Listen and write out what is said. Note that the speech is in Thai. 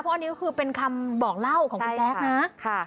อันนี้ก็คือเป็นคำบอกเล่าของคุณแจ๊คนะ